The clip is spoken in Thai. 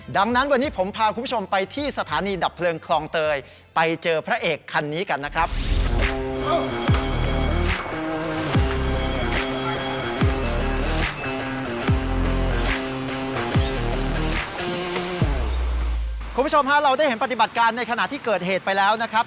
คุณผู้ชมค่ะเราได้เห็นปฏิบัติการในขณะที่เกิดเหตุไปแล้วนะครับ